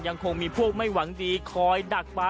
ยังมีพวกไม่หวังดีคอยดักปลาหินอยู่ที่มา